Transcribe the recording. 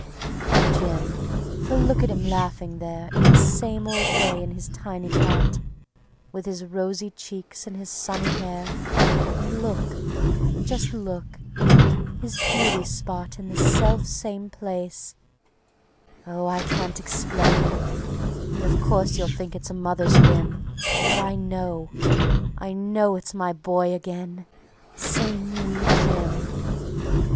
Jim! For look at him laughing there In the same old way in his tiny cot, With his rosy cheeks and his sunny hair, And look, just look ... his beauty spot In the selfsame place. ... Oh, I can't explain, And of course you think it's a mother's whim, But I know, I know it's my boy again, Same wee Jim.